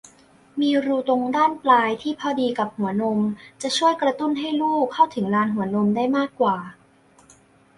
มีรูตรงด้านปลายที่พอดีกับหัวนม จะช่วยกระตุ้นให้ลูกเข้าถึงลานหัวนมได้มากกว่า